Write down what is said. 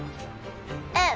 うん。